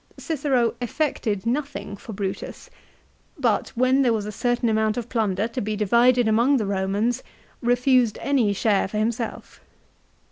Cicero effected nothing for Brutus ; but, when there was a certain amount of plunder to be divided among the Eomans, refused any share for himself.